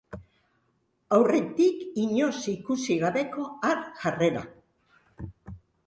Aurretik inoiz ikusi gabeko ar jarrera?